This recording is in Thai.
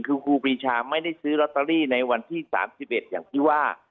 คือครูปรีชาไม่ได้ซื้อลอตเตอรี่ในวันที่๓๑อย่างที่ว่า